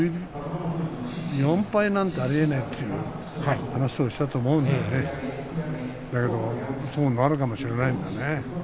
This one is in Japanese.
４敗なんてありえないという話をしたと思うんだけどねだけどそうなるかもしれないんでね。